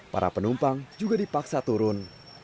para penumpang juga dipaksa turun